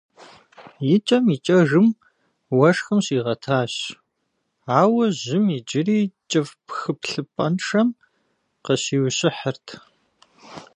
ИкӀэм-икӀэжым уэшхым щигъэтащ, ауэ жьым иджыри кӀыфӀ пхыплъыпӀэншэм къыщиущыхьырт.